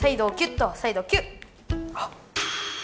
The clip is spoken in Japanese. あっ。